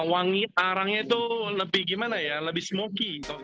wangi arangnya itu lebih gimana ya lebih smoky